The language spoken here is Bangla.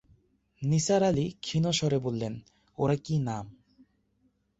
নিসার আলি ক্ষীণ স্বরে বললেন, ওরা কী নাম?